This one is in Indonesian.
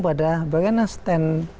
pada bagian asetan